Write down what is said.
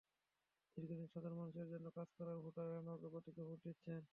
দীর্ঘদিন সাধারণ মানুষের জন্য কাজ করায় ভোটারেরা নৌকা প্রতীকে ভোট দিচ্ছেন।